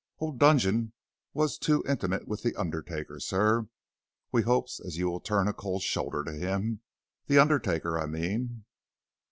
Old Dudgeon was too intimate with the undertaker, sir. We hopes as you will turn a cold shoulder to him the undertaker, I mean."